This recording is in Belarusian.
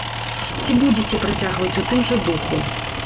Ці будзеце працягваць у тым жа духу?